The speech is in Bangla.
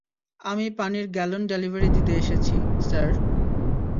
আমি পানির গ্যালন ডেলিভারি দিতে এসেছি, স্যার।